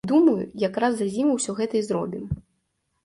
Думаю, як раз за зіму ўсё гэта і зробім.